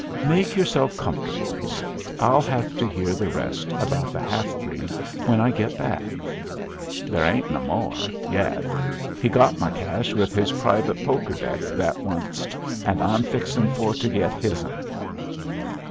"Make yourself comfortable," he said. "I'll have to hear the rest about the half breed when I get back." "There ain't no more yet. He got my cash with his private poker deck that onced, and I'm fixing for to get his'n."